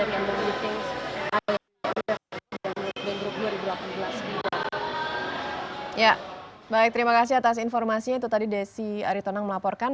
ya baik terima kasih atas informasinya itu tadi desi aritonang melaporkan